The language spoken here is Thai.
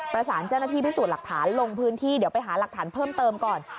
เจ้าหน้าที่พิสูจน์หลักฐานลงพื้นที่เดี๋ยวไปหาหลักฐานเพิ่มเติมก่อน